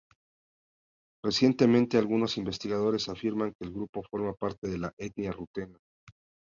Recientemente algunos investigadores afirman que el grupo forma parte de la etnia rutena.